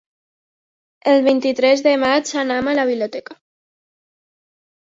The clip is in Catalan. El vint-i-tres de maig anam a la biblioteca.